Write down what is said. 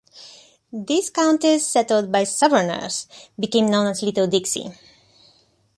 These counties settled by southerners became known as Little Dixie.